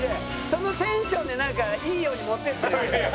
そのテンションでなんかいいように持っていってる。